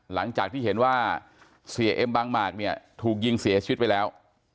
หลังจากที่เห็นว่าเสียเอ็มบางหมากเนี่ยถูกยิงเสียชีวิตไปแล้ว